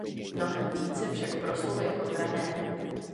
Mnohem více však proslul jako trenér.